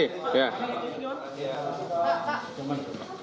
tidak ada akibatnya sudah jelas ya